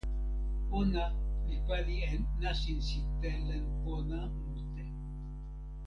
ona li pali e nasin sitelen pona mute.